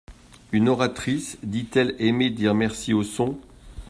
Une oratrice dit-elle aimer dire merci aux sons?